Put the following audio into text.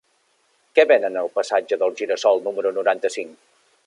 Què venen al passatge del Gira-sol número noranta-cinc?